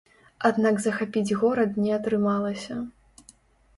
Аднак захапіць горад не атрымалася.